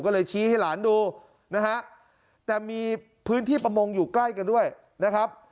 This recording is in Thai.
ก็เลยชี้ให้หลานดูนะฮะแต่มีพื้นที่ประมงอยู่ใกล้กันด้วยนะครับ